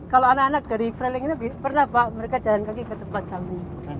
kalau anak anak dari fraling ini pernah pak mereka jalan kaki ke tempat samping